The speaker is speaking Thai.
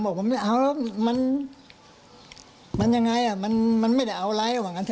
บอกอย่างไรอ่ะมันไม่ได้เอาไรเหมือนกันเถอะ